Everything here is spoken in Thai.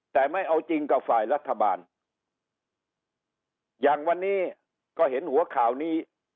แต่ไม่เอาจริงกับฝ่ายรัฐบาลอย่างวันนี้ก็เห็นหัวข่าวนี้